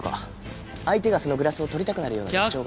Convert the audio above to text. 相手がそのグラスを取りたくなるような特徴が。